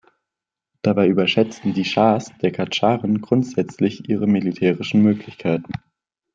Dabei überschätzten die Schahs der Kadscharen grundsätzlich ihre militärischen Möglichkeiten.